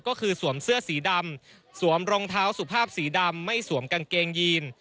ก็คือสวมเสื้อสีดำสวมรองเท้าสุภาพสีดำไม่สวมกางเกงยีน